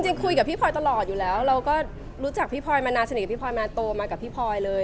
จริงคุยกับพี่พลอยตลอดอยู่แล้วเราก็รู้จักพี่พลอยมานานสนิทกับพี่พลอยมาโตมากับพี่พลอยเลย